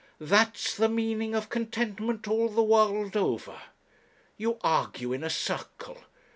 That's the meaning of contentment all the world over. You argue in a circle.